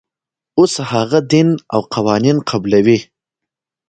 اوس هغه دین او قوانین قبلوي.